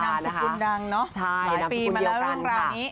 นามสกุลดังเนาะใช่หลายปีมาแล้วเริ่มรับนี้